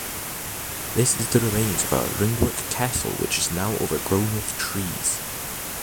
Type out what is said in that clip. This is the remains of a ringwork castle which is now overgrown with trees.